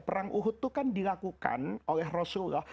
perang uhud itu kan dilakukan oleh rasulullah